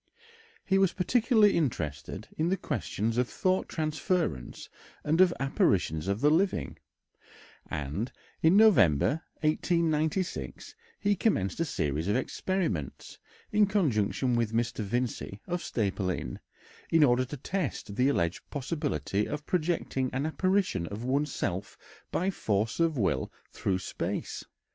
He was particularly interested in the questions of thought transference and of apparitions of the living, and in November, 1896, he commenced a series of experiments in conjunction with Mr. Vincey, of Staple Inn, in order to test the alleged possibility of projecting an apparition of one's self by force of will through space.